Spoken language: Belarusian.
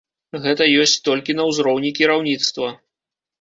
Гэта ёсць толькі на ўзроўні кіраўніцтва.